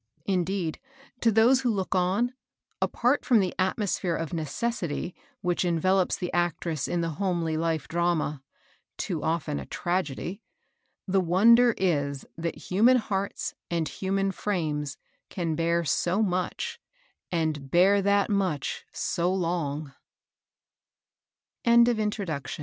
Indeed, to those who look on, apart from the atmosphere of necessity which envelopes the actress in the homely life drama, — too often a tragedy, — the wonder is, that human hearts and human frames can bear so much, and bear that m